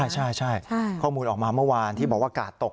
ใช่ข้อมูลออกมาเมื่อวานที่บอกว่ากาดตก